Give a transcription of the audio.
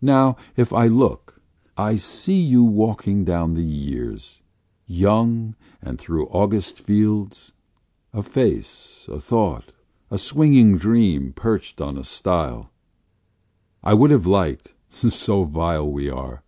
Now, if I look, I see you walking down the years, Young, and through August fields a face, a thought, a swinging dream perched on a stile ; I would have liked (so vile we are!)